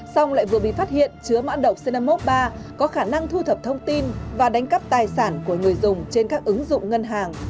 xong lại vừa bị phát hiện chứa mã độc c năm mươi một ba có khả năng thu thập thông tin và đánh cắp tài sản của người dùng trên các ứng dụng ngân hàng